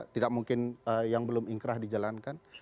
tidak mungkin yang belum ingkrah dijalankan